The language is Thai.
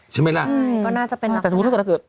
ใช่ไหมล่ะใช่ก็น่าจะเป็นหลักศึกษาแต่สมมุติว่าเกิด